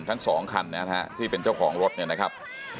ทั้งสองคันนะฮะที่เป็นเจ้าของรถเนี่ยนะครับ